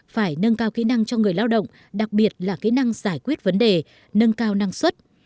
phải nâng cao kỹ năng cho người lao động đặc biệt là kỹ năng giải quyết vấn đề nâng cao năng suất